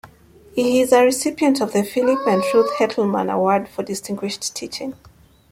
He is a recipient of the Philip and Ruth Hettleman Award for distinguished teaching.